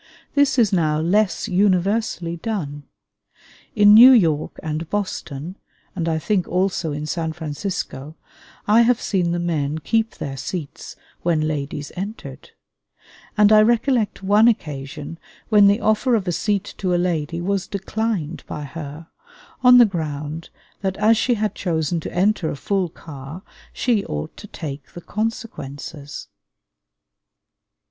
This is now less universally done. In New York and Boston (and I think also in San Francisco), I have seen the men keep their seats when ladies entered; and I recollect one occasion when the offer of a seat to a lady was declined by her, on the ground that as she had chosen to enter a full car she ought to take the consequences.